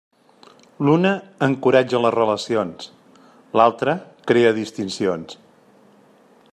L'una encoratja les relacions, l'altre crea distincions.